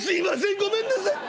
ごめんなさい。